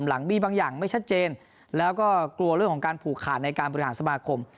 หลังมีบางอย่างไม่ชัดเจนแล้วก็กลัวเรื่องของการผูกขาดในการบริหารสมาคม